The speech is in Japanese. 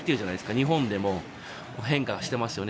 日本でも変化していますよね。